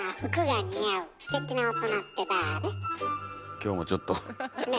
今日もちょっと。ね。